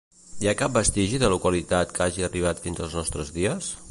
Hi ha cap vestigi de localitat que hagi arribat fins als nostres dies?